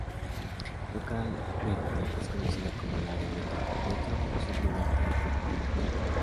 Localmente es conocida como "el Área Metro", "Metro", o simplemente "Omaha".